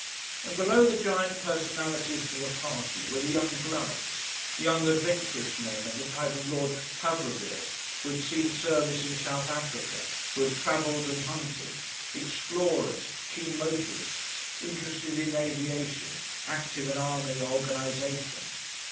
And below the giant personalities of the party were the young bloods, young, adventurous men of the type of Lord Tarvrille, who had seen service in South Africa, who had travelled and hunted; explorers, keen motorists, interested in aviation, active in army organisation.